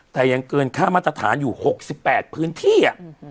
แต่ยังเกินค่ามาตรฐานอยู่๖๘พื้นที่